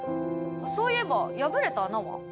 そういえば破れた穴は？